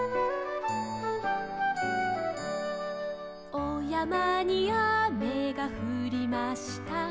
「おやまにあめがふりました」